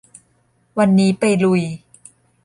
วันนี้ไปลุย